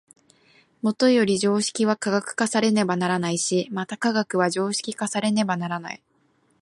もとより常識は科学化されねばならないし、また科学は常識化されねばならない。